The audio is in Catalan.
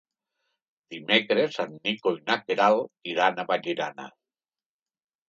Dimecres en Nico i na Queralt iran a Vallirana.